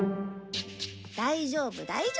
大丈夫大丈夫。